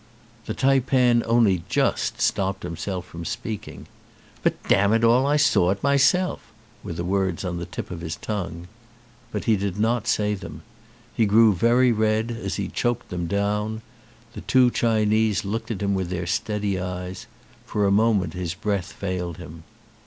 The taipan only just stopped himself from speaking. "But damn it all, I saw it myself," were the words on the tip of his tongue. But he did not say them. He grew very red as he choked them down. The two Chinese looked at him with their steady eyes. For a moment his breath failed him.